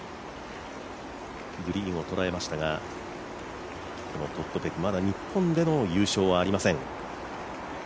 グリーンをとらえましたがトッド・ペク、日本での優勝はありません。